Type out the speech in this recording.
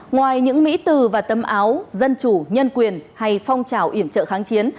ngoài những mỹ từ và tâm áo dân chủ nhân quyền hay phong trào iểm trợ kháng chiến